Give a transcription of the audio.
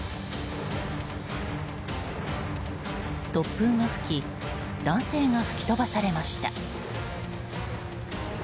突風が吹き男性が吹き飛ばされました。